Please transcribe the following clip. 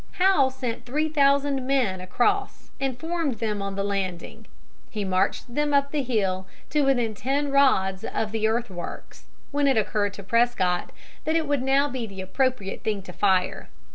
Howe sent three thousand men across and formed them on the landing. He marched them up the hill to within ten rods of the earth works, when it occurred to Prescott that it would now be the appropriate thing to fire.